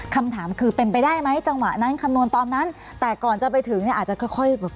คำถามคือเป็นไปได้ไหมจังหวะนั้นคำนวณตอนนั้นแต่ก่อนจะไปถึงเนี่ยอาจจะค่อยค่อยแบบ